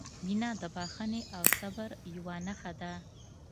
• مینه د بښنې او صبر یوه نښه ده.